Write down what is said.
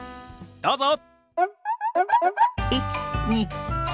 どうぞ！